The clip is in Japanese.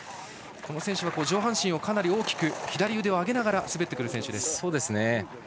この選手は上半身をかなり大きく左腕を上げながら滑ってくる選手です。